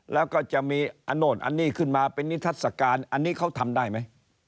แล้วก็จะมีอนุสาวรีอินิธัศน์ันก็ได้ไหม